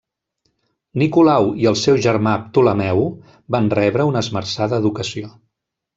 Nicolau i el seu germà Ptolemeu van rebre una esmerçada educació.